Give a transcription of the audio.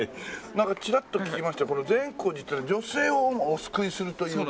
なんかちらっと聞きましたがこの善光寺っていうのは女性をお救いするというか。